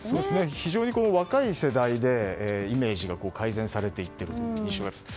非常に、若い世代でイメージが改善されているという印象ですね。